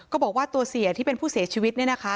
ก็บอกว่าตัวเสียที่เป็นผู้เสียชีวิตเนี่ยนะคะ